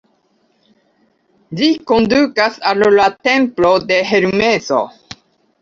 Ĝi kondukas al la templo de Hermeso.